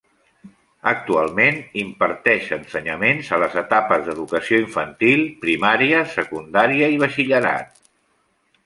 Actualment imparteix ensenyaments a les etapes d'educació infantil, primària, secundària i batxillerat.